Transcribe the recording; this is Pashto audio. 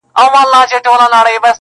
چي د کڼو غوږونه وپاڅوي!.